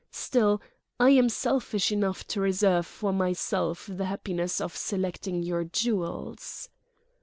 Still, I am selfish enough to reserve for myself the happiness of selecting your jewels."